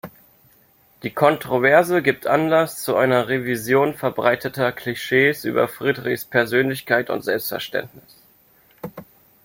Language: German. Die Kontroverse gibt Anlass zu einer Revision verbreiteter Klischees über Friedrichs Persönlichkeit und Selbstverständnis.